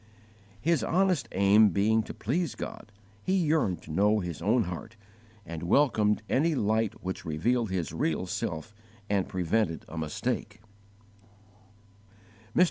His honest aim being to please God, he yearned to know his own heart, and welcomed any light which revealed his real self and prevented a mistake.